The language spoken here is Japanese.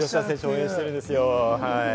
応援してるんです。